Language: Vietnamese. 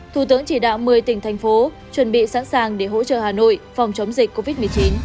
thủ tướng chỉ đạo một mươi tỉnh thành phố chuẩn bị sẵn sàng để hỗ trợ hà nội phòng chống dịch covid một mươi chín